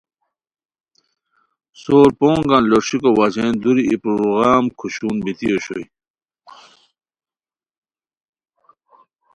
سور پونگان لوݰیکو وجہین دُوری ای پورغورام کھوشون بیتی اوشوئے